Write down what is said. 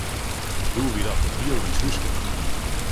Doe wie dat in heel lyts húske.